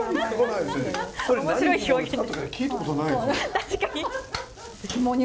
確かに。